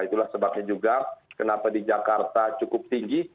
itulah sebabnya juga kenapa di jakarta cukup tinggi